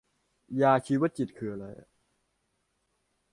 ยาชีวจิตคืออะไร